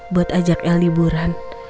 buat ajak elle di liburan